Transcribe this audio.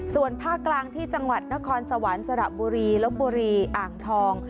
ส่วนภาคกลางที่จังหวัดนครสวรรค์สระบุรีลบบุรีอ่างทอง